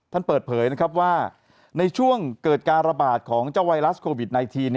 เปิดเผยนะครับว่าในช่วงเกิดการระบาดของเจ้าไวรัสโควิด๑๙